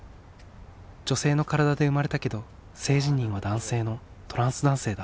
女性の体で生まれたけど性自認は男性のトランス男性だ。